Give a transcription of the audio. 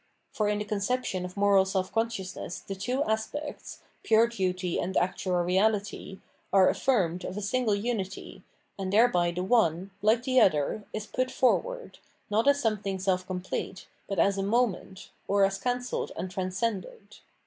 For in the conception of moral self consciousness the two aspects, pure duty and actual reality, are affirmed of a single unity, and thereby the one, like the other, is put forward, not as something self complete, but as a moment, or as cancelled and transcended.